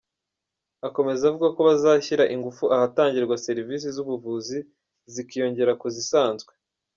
Akomeza avuga ko bazashyira ingufu ahatangirwa serivisi z’ubuvuzi zikiyongera ku zisanzwe.